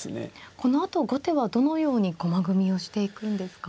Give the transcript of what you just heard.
このあと後手はどのように駒組みをしていくんですか。